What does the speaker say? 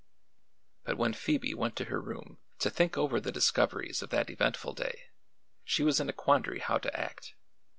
But when Phoebe went to her room to think over the discoveries of that eventful day, she was in a quandary how to act.